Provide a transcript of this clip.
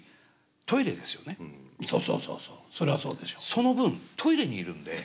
その分トイレにいるんで。